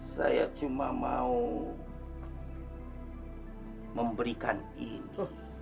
saya cuma mau memberikan ini